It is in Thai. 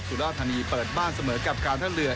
สุราธานีเปิดบ้านเสมอกับการท่าเรือ